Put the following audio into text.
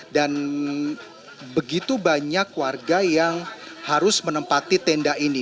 dan begitu banyak warga yang harus menempati tenda ini